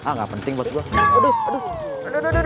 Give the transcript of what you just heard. nggak penting buat gue